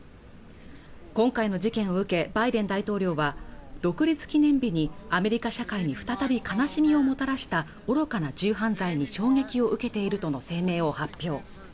今回の事件を受けバイデン大統領は独立記念日にアメリカ社会に再び悲しみをもたらした愚かな銃犯罪に衝撃を受けているとの声明を発表